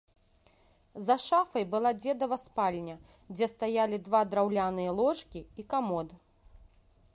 За шафай была дзедава спальня, дзе стаялі два драўляныя ложкі і камод.